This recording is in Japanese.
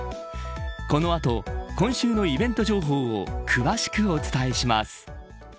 この後、今週のイベント情報を詳しくお伝えします。